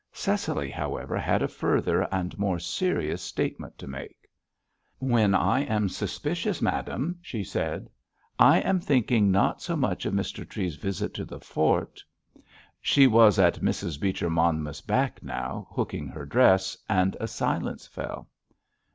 Cecily, however, had a further and more serious statement to make. "When I am suspicious, madame," she said, "I am thinking not so much of Mr. Treves's visit to the fort——" She was at Mrs. Beecher Monmouth's back now, hooking her dress, and a silence fell.